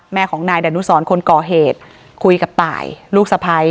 แม่ของนายดานุสรคนก่อเหตุคุยกับตายลูกสะพ้าย